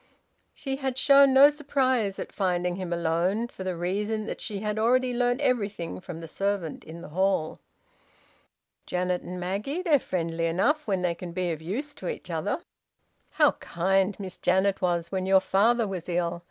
She had shown no surprise at finding him alone, for the reason that she had already learnt everything from the servant in the hall. "Janet and Maggie? They're friendly enough when they can be of use to each other." "How kind Miss Janet was when your father was ill!